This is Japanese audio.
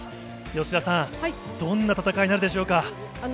吉田さん、どんな戦いになるでしょうか。